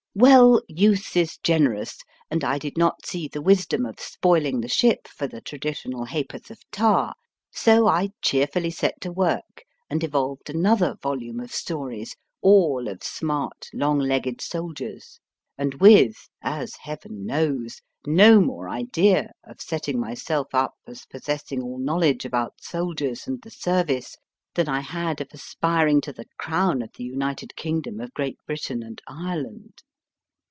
Well, youth is generous, and I did not see the wisdom of spoiling the ship for the traditional ha porth of tar, so I cheerfully set to work and evolved another volume of stories, all of smart, long legged soldiers, and with as Heaven knows no more idea of setting myself up as possessing all knowledge about soldiers and the Service than I had of aspiring to the Crown of the United Kingdom of Great Britain and Ireland.